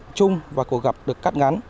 họp chung và cuộc gặp được cắt ngắn